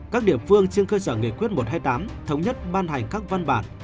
các địa phương trên cơ sở nghị quyết một trăm hai mươi tám thống nhất ban hành các văn bản